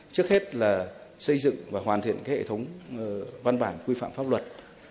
trước hết là xây dựng và hoàn thiện hệ thống văn bản quy phạm pháp luật